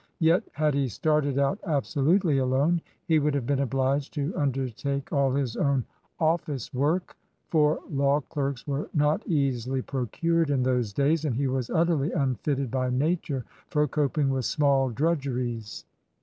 Yet had he started out absolutely alone, he would have been obliged to undertake all his own office work, for law clerks were not easily procured in those days, and he was utterly unfitted by nature for coping with small drudg 138 William H. Herndon HEAD OF A LAW FIRM eries.